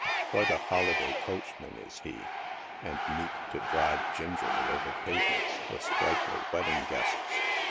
Quite a holiday coachman is he, and meet to drive gingerly over pavements the sprightly wedding guests.